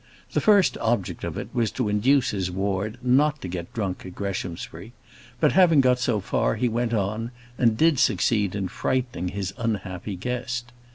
The first object of it was to induce his ward not to get drunk at Greshamsbury; but having got so far, he went on, and did succeed in frightening his unhappy guest.